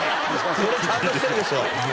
これちゃんとしてるでしょ。